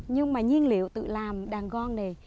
nhưng mà nhiên liệu tự làm đàn gong này